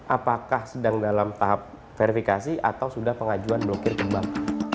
apakah sedang dalam tahap verifikasi atau sudah pengajuan blokir kembang